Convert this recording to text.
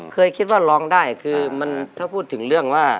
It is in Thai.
เคยคิดว่าร้องได้คือมันถ้าพูดถึงเรื่องว่า